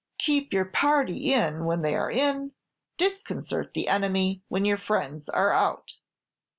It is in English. "Keep your party in when they are in; disconcert the enemy when your friends are out."